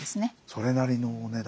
それなりのお値段。